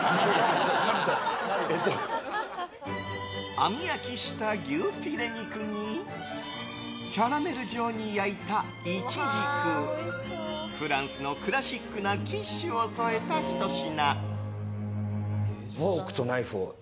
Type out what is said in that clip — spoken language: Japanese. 網焼きした牛ヒレ肉にキャラメル状に焼いたイチジクフランスのクラシックなキッシュを添えたひと品。